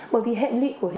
bởi vì hẹn lụy của nó